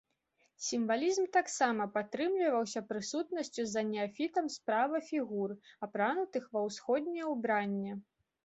Сімвалізм таксама падтрымліваўся прысутнасцю за неафітам справа фігур, апранутых ва ўсходняе ўбранне.